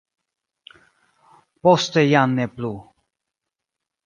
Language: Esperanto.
Poste jam ne plu.